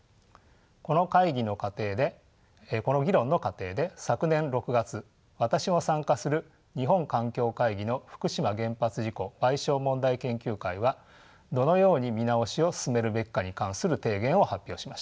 この議論の過程で昨年６月私も参加する日本環境会議の福島原発事故賠償問題研究会はどのように見直しを進めるべきかに関する提言を発表しました。